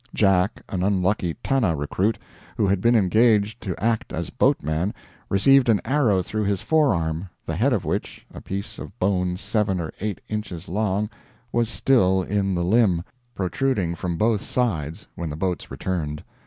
Jack, an unlucky Tanna recruit, who had been engaged to act as boatman, received an arrow through his forearm, the head of which apiece of bone seven or eight inches long was still in the limb, protruding from both sides, when the boats returned.